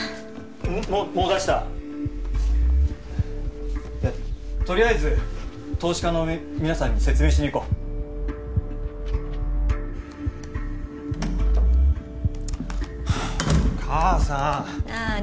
ん？ももう出したとりあえず投資家のみ皆さんに説明しに行こう母さんなあに？